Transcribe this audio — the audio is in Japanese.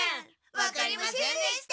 わかりませんでした。